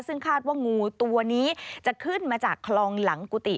ซึ่งคาดว่างูตัวนี้จะขึ้นมาจากคลองหลังกุฏิ